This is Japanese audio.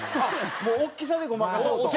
もう大きさでごまかそうと。